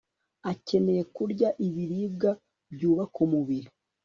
akeneye kurya ibiribwa byubaka umubiri